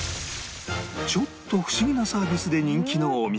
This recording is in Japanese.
ちょっと不思議なサービスで人気のお店